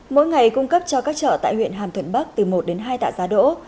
mỗi ngày cung cấp cho các chợ tại huyện hàm thuận bắc từ một đến hai tạ giá đỗ